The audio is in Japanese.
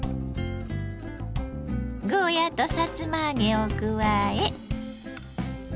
ゴーヤーとさつま揚げを加え。